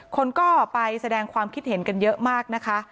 คนก็ไปแสดงความคิดเห็นกันเยอะมากนะคะ